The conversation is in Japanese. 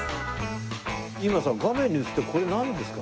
今さ画面に映ってるこれなんですか？